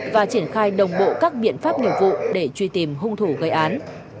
và triển khai đồng bộ các biện pháp nghiệp vụ để truy tìm hung thủ gây án